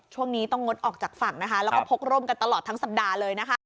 ช่วงนี้ต้องงดออกจากฝั่งนะคะแล้วก็พกร่มกันตลอดทั้งสัปดาห์เลยนะคะ